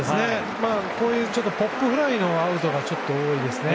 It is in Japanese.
こういうポップフライのアウトがちょっと多いですね。